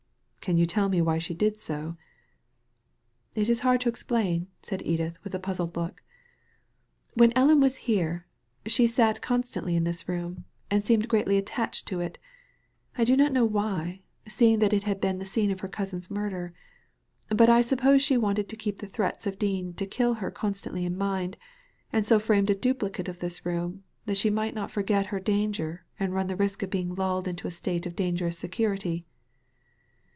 ^ Can you tell me why she did so ?'' ''It is hard to explain/' said Edith, with a puzzled look. ''When Ellen was here she sat con stantly in this room, and seemed greatly attached to it I do not know why, seeing that it had been the scene of her cousin's murder. But I suppose she wanted to keep the threats of Dean to kill her constantly in mind, and so framed a duplicate of this room, that she might not forget her danger and run the risk of being lulled into a state of dangerous security."